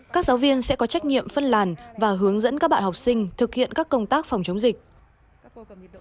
các giáo viên sẽ có trách nhiệm phân làn và hướng dẫn các bạn học sinh thực hiện các công tác phòng chống dịch